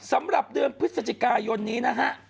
สำหรับเดือนพฤศจิกายนนี้นะฮะ